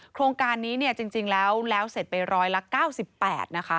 โครงการนี้เนี่ยจริงแล้วเสร็จไปร้อยละ๙๘นะคะ